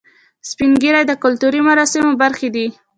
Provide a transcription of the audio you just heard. سپین ږیری د کلتوري مراسمو برخه دي